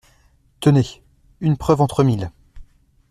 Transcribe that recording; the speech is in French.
Tenez, une preuve entre mille.